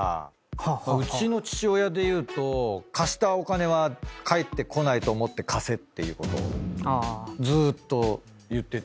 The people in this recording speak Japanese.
うちの父親でいうと貸したお金は返ってこないと思って貸せっていうことをずーっと言ってて。